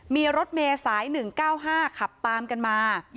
มีรถเมย์สาย๑๙๕ขับตามกันมา